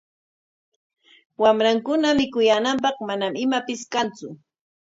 Wamrankuna mikuyaananpaq manam imapis kantsu.